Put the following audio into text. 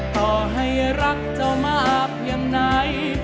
ต่อให้รักเจ้ามากเพียงไหน